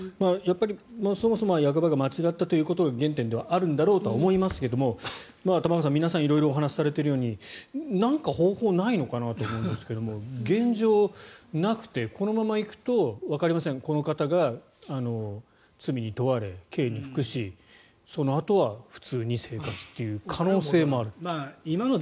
そもそもは役場が間違ったということが原点ではあるんだろうと思いますが、玉川さん皆さん色々お話しされているようになんか方法ないのかなと思いますけど現状、なくてこのままいくと、わかりませんがこの方が罪に問われ、刑に服しそのあとは普通に生活という可能性もあるという。